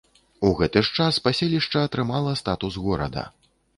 У гэты ж час паселішча атрымала статус горада.